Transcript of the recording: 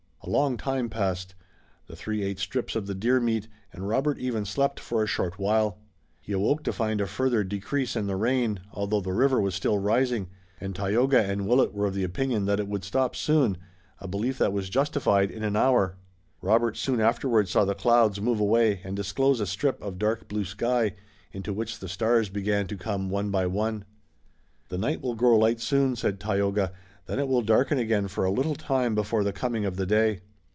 A long time passed. The three ate strips of the deer meat, and Robert even slept for a short while. He awoke to find a further decrease in the rain, although the river was still rising, and Tayoga and Willet were of the opinion that it would stop soon, a belief that was justified in an hour. Robert soon afterward saw the clouds move away, and disclose a strip of dark blue sky, into which the stars began to come one by one. "The night will grow light soon," said Tayoga, "then it will darken again for a little time before the coming of the day."